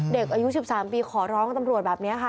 เด็กอายุ๑๓ปีขอร้องตำรวจแบบนี้ค่ะ